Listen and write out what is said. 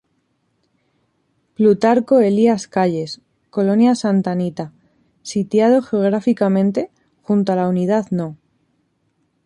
Plutarco Elías Calles, colonia Santa Anita, sitiado geográficamente junto la Unidad No.